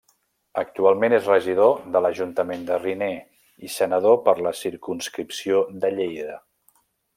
Actualment és regidor de l'ajuntament de Riner i senador per la circumscripció de Lleida.